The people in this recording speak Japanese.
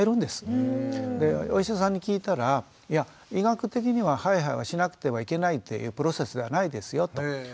でお医者さんに聞いたらいや医学的にはハイハイはしなくてはいけないっていうプロセスではないですよと。